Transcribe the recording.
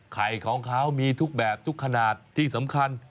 ไข่ของเขามีทุกแบบทุกขนาดที่สำคัญ